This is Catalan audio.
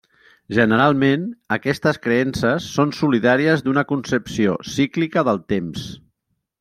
Generalment, aquestes creences són solidàries d'una concepció cíclica del temps.